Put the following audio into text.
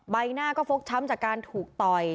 ใบหน้าก็ฟกช้ำจากการถูกต่อย